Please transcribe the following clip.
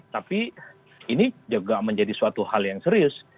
tapi ini juga menjadi suatu hal yang serius